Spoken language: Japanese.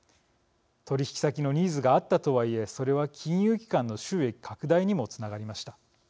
取引先のニーズがあったとはいえそれは金融機関の収益拡大にもつながりました。